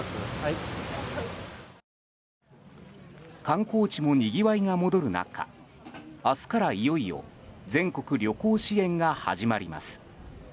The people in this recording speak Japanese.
観光地もにぎわいが戻る中明日からいよいよ全国旅行支援が始まります。